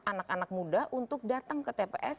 anak anak muda untuk datang ke tps